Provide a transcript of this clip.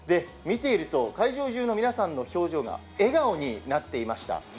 見ていると会場中の皆さんの表情が笑顔になっていました。